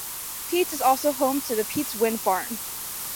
Peetz is also home to the Peetz Wind Farm.